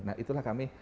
nah itulah kami